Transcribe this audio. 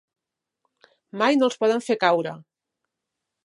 "Mai no els poden fer caure".